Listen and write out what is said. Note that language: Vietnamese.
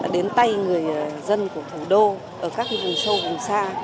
đến tay người dân của thủ đô ở các vùng sâu vùng xa